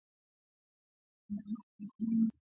Baba yangu ari tufundisha kurima